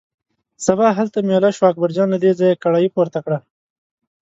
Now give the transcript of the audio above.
سبا هلته مېله شوه، اکبرجان له دې ځایه کړایی پورته کړه.